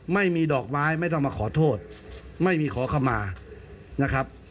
ไม่มีดอกไม้ไม่ต้องมาขอโทษไม่มีขอขมานะครับ